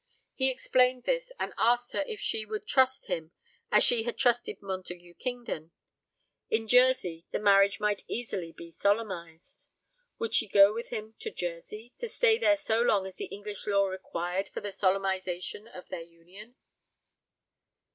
He explained this, and asked her if she would trust him as she had trusted Montague Kingdon. In Jersey the marriage might easily be solemnised. Would she go with him to Jersey, to stay there so long as the English law required for the solemnization of their union?